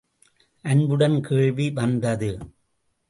அன்புடன் கேள்வி வந்தது.